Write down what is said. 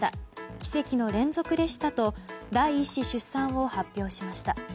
奇跡の連続でしたと第１子出産を発表しました。